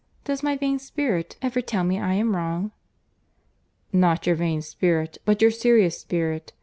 —Does my vain spirit ever tell me I am wrong?" "Not your vain spirit, but your serious spirit.